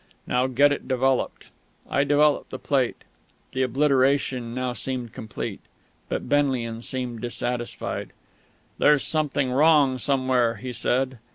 "Now get it developed." I developed the plate. The obliteration now seemed complete. But Benlian seemed dissatisfied. "There's something wrong somewhere," he said.